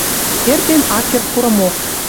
Эртен ак керд курымок.